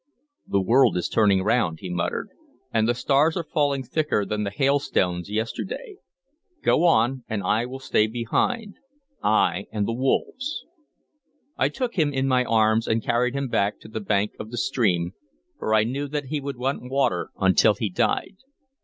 "The world is turning round," he muttered, "and the stars are falling thicker than the hailstones yesterday. Go on, and I will stay behind, I and the wolves." I took him in my arms and carried him back to the bank of the stream, for I knew that he would want water until he died.